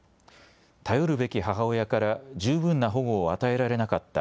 頼るべき母親から十分な保護を与えられなかった。